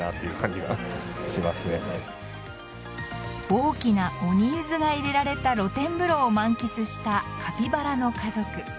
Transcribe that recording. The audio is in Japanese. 大きな鬼ゆずが入れられた露天風呂を満喫したカピバラの家族。